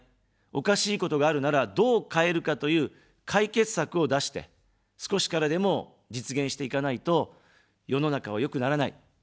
おかしいことがあるなら、どう変えるかという解決策を出して、少しからでも実現していかないと、世の中は良くならない。